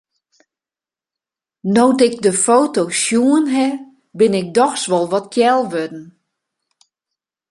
No't ik de foto's sjoen ha, bin ik dochs wol wat kjel wurden.